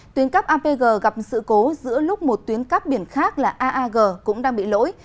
tuyến cắp apg gặp sự cố giữa lúc một tuyến cắp biển khác là aag cũng đang bị lỗi